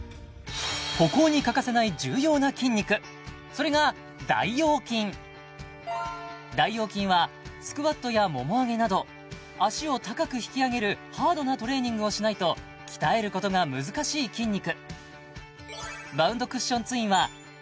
歩行に欠かせない重要な筋肉それが大腰筋大腰筋はスクワットやもも上げなど脚を高く引き上げるハードなトレーニングをしないと鍛えることが難しい筋肉